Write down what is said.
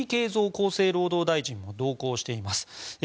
厚生労働大臣も同行しています。